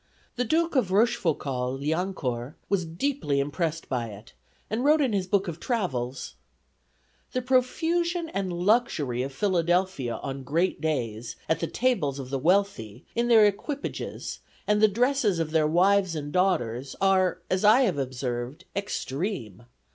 The Duke of Rochefoucauld Liancourt was deeply impressed by it, and wrote in his book of Travels: "The profusion and luxury of Philadelphia on great days, at the tables of the wealthy, in their equipages, and the dresses of their wives and daughters, are, as I have observed, extreme.